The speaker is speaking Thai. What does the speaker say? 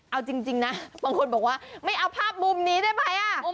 เอาจริงนะบางคนบอกว่าไม่เอาภาพมุมนี้ได้ไหม